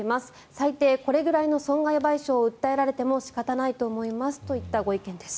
最低これぐらいの損害賠償を訴えられても仕方ないと思いますといったご意見です。